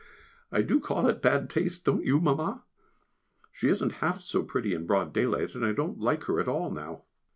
I do call it bad taste, don't you, Mamma? and she isn't half so pretty in broad daylight, and I don't like her at all now.